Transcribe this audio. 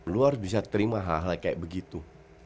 lo harus bisa terima hal hal kayak begitu